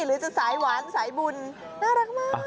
หรือจะสายหวานสายบุญน่ารักมาก